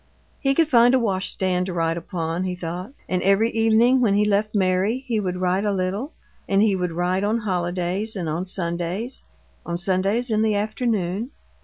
He could find a washstand to write upon, he thought; and every evening when he left Mary he would write a little; and he would write on holidays and on Sundays on Sundays in the afternoon.